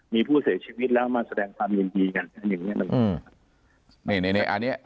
มีผู้เสียชีวิตแล้วมาแสดงความยินดีกันอย่างนี้เลย